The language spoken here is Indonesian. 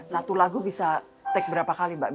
satu lagu bisa tag berapa kali mbak